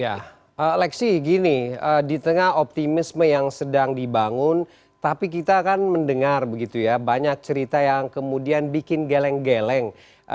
ya lexi gini di tengah optimisme yang sedang dibangun tapi kita kan mendengar begitu ya banyak cerita yang kemudian bikin geleng geleng